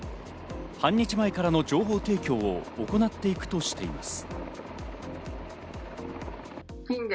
半日前からの情報提供を行っていくとしています。